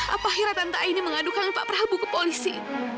apa kira tante aini mengadukan pak prabu ke polisi